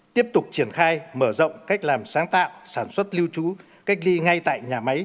tiếp tục triển khai mở rộng cách làm sáng tạo sản xuất lưu trú cách ly ngay tại nhà máy